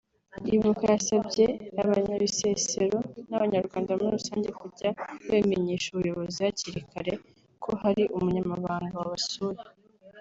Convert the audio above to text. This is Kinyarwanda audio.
Ibuka yasabye Abanyabisesero n’Abanyarwanda muri rusange kujya babimenyesha ubuyobozi hakiri kare ko hari umunyamahanga wabasuye